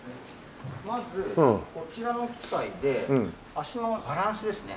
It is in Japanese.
まずこちらの機械で足のバランスですね